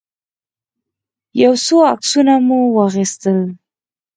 يو څو عکسونه مو واخيستل.